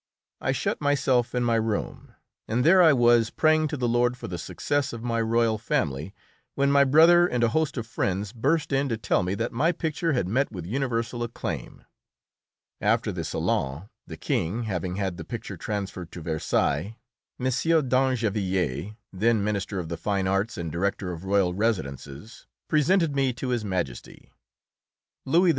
I shut myself in my room, and there I was, praying to the Lord for the success of my "Royal Family," when my brother and a host of friends burst in to tell me that my picture had met with universal acclaim. After the Salon, the King, having had the picture transferred to Versailles, M. d'Angevilliers, then minister of the fine arts and director of royal residences, presented me to His Majesty. Louis XVI.